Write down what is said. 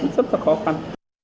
rất là khó khăn